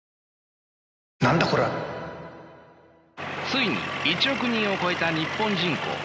ついに１億人を超えた日本人口。